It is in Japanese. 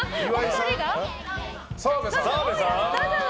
澤部さん。